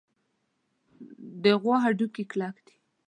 د غوا هډوکي کلک دي.